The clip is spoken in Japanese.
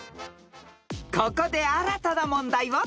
［ここで新たな問題を追加］